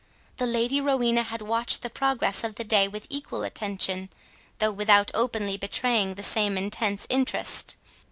The Lady Rowena had watched the progress of the day with equal attention, though without openly betraying the same intense interest.